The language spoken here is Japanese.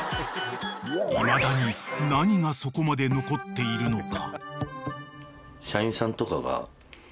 ［いまだに何がそこまで残っているのか］